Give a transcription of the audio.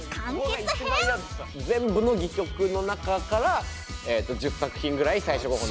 全部の戯曲の中から１０作品ぐらい。